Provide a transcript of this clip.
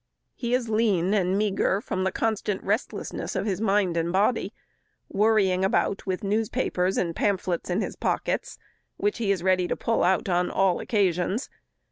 He is lean and meagre from the constant restlessness of mind and body; worrying about with newspapers and pamphlets in his pockets, which he is ready to pull out on all occasions.